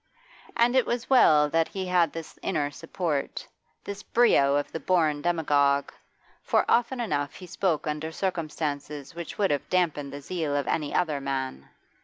And it was well that he had this inner support, this brio of the born demagogue, for often enough he spoke under circumstances which would have damped the zeal of any other man.